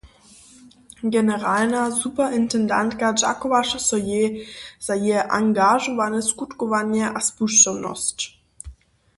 Generalna superintendentka dźakowaše so jej za jeje angažowane skutkowanje a spušćomnosć.